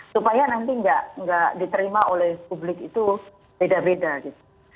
supaya nanti nggak diterima oleh publik itu beda beda gitu